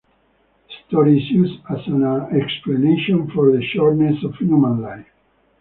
The story is used as an explanation for the shortness of human life.